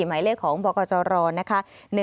หมายเลขของบกร๑๑๙๗ค่ะ